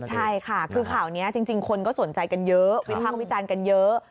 ใช่ค่ะคือข่าวนี้จริงคนก็สนใจกันเยอะวิพากษ์วิจารณ์กันเยอะ